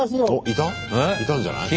いたんじゃない？